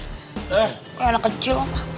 eh kalau anak kecil apa